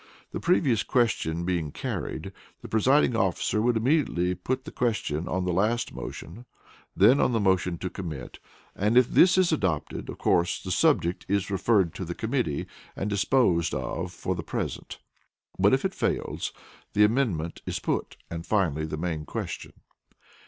The previous question being carried, the presiding officer would immediately put the question on the last motion (d); then on the motion to commit, (c); and if this is adopted, of course the subject is referred to the committee and disposed of for the present; but if it fails, the amendment (b) is put, and finally the main question.